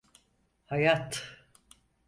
Hayat…